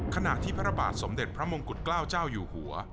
ขณะที่พระบาทสมเด็จพระมงกุฎเกล้าเจ้าอยู่หัว